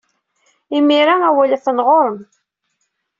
Imir-a, awal atan ɣer-m.